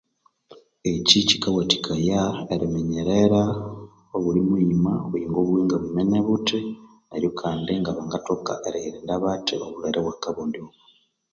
Ekyi kyikawathikaya eriminyerera obuli muyima obuyingo bwiwe ngabumene buthi neryu kandi ngabangathoka eriyirinda bathi obulhwere bwa kabonde obu